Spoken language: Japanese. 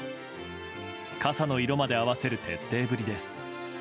傘の色まで合わせる徹底ぶりです。